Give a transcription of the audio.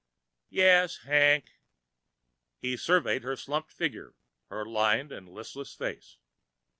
"Yes, Hank." He surveyed her slumped figure, her lined and listless face.